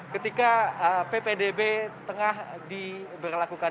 ketika ppdb tengah diberlakukan